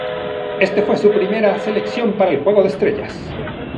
Este fue su primera selección para el Juego de Estrellas.